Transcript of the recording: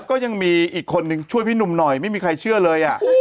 ก็ยังมีอีกคนนึงช่วยพี่หนุ่มหน่อยไม่มีใครเชื่อเลย